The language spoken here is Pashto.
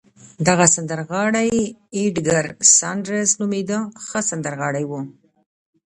دغه سندرغاړی اېدګر ساندرز نومېده، ښه سندرغاړی و.